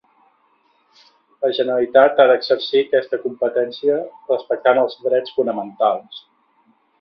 La Generalitat ha d'exercir aquesta competència respectant els drets fonamentals.